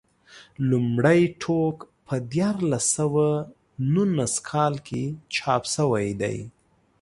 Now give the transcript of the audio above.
لومړی ټوک په دیارلس سوه نولس کال کې چاپ شوی دی.